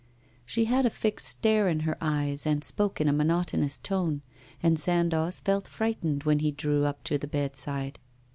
She had a fixed stare in her eyes and spoke in a monotonous tone, and Sandoz felt frightened when he drew up to the bedside.